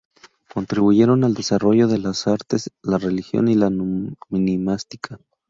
Contribuyeron al desarrollo de las artes, la religión y la numismática.